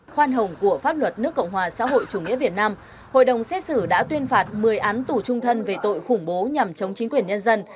khoan hồng của pháp luật nước cộng hòa xã hội chủ nghĩa việt nam hội đồng xét xử đã tuyên phạt một mươi án tù trung thân về tội khủng bố nhằm chống chính quyền nhân dân